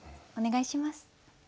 お願いします。